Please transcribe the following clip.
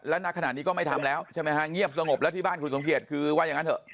ณขณะนี้ก็ไม่ทำแล้วใช่ไหมฮะเงียบสงบแล้วที่บ้านคุณสมเกียจคือว่าอย่างนั้นเถอะ